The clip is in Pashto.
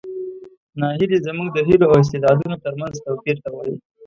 ناهیلي زموږ د هیلو او استعدادونو ترمنځ توپیر ته وایي.